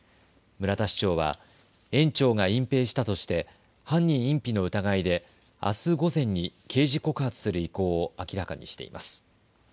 村田市長は園長が隠蔽したとして犯人隠避の疑いであす午前に刑事告発する意向を明らかにしています。